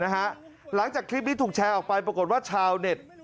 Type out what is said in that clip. หลังจากคลิปนี้ถูกแชร์ออกไปปรากฏว่าชาวเน็ต